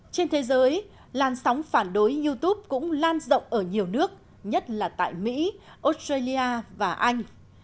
trên thế giới làn sóng phản đối youtube cũng lan rộng ở nhiều nước nhất là tại mỹ australia và anh